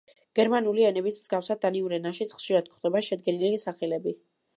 გერმანიკული ენების მსგავსად, დანიურ ენაშიც ხშირად გვხვდება შედგენილი სახელები.